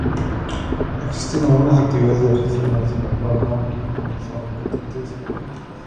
Existen algunas actividades de artesanías de la palma, como son petates o canastos.